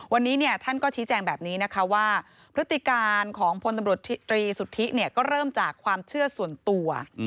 วันนี้ท่านก็ชี้แจงแบบนี้นะคะว่าพฤติการของพลตำรวจตรีสุทธิก็เริ่มจากความเชื่อส่วนตัว